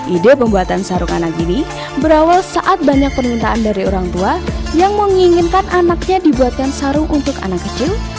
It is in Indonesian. ide pembuatan sarung anak ini berawal saat banyak permintaan dari orang tua yang menginginkan anaknya dibuatkan sarung untuk anak kecil